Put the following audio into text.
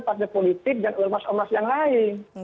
partai politik dan umat umat yang lain